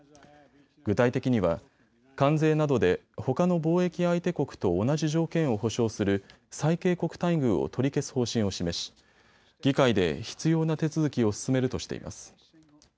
具体的には、関税などでほかの貿易相手国と同じ条件を保障する最恵国待遇を取り消す方針を示し議会で必要な手続きを進めるとしています。